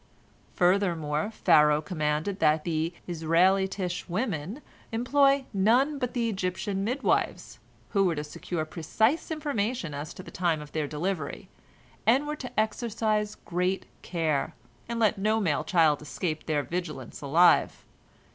Furthermore, Pharaoh commanded that the Israelitish women employ none but Egyptian midwives, who were to secure precise information as to the time of their delivery, and were to exercise great care, and let no male child escape their vigilance alive.